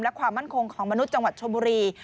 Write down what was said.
และความมั่นคงของมนุษย์จังหวัดชมบุรี